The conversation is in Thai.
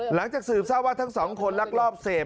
หลังจากสืบทราบว่าทั้งสองคนลักลอบเสพ